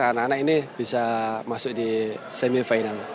anak anak ini bisa masuk di semifinal